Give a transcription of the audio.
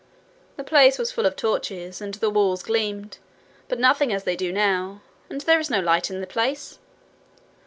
'The place was full of torches, and the walls gleamed, but nothing as they do now, and there is no light in the place.'